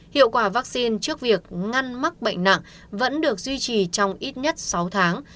hiệu quả vaccine trước việc ngăn mắc bệnh nặng vẫn được duy trì trong ít nhất sáu tháng